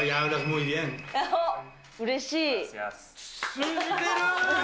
通じてる。